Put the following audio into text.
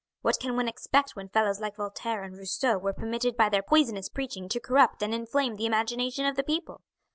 What can one expect when fellows like Voltaire and Rousseau were permitted by their poisonous preaching to corrupt and inflame the imagination of the people?